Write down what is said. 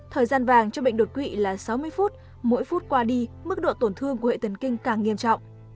thời gian vàng cho bệnh đột quỵ là sáu mươi phút mỗi phút qua đi mức độ tổn thương của hệ thần kinh càng nghiêm trọng